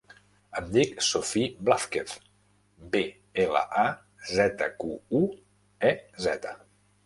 Em dic Sophie Blazquez: be, ela, a, zeta, cu, u, e, zeta.